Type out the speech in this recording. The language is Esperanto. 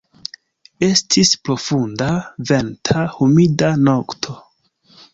Estis profunda, venta, humida nokto.